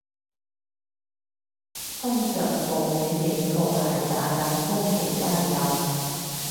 通常暴雨警告係打緊風期間有